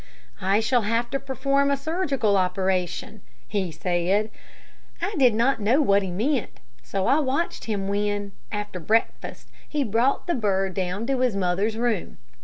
"I shall have to perform a surgical operation," he said. I did not know what he meant, so I watched him when, after breakfast, he brought the bird down to his mother's room.